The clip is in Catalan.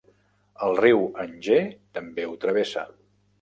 El riu Anger també ho travessa.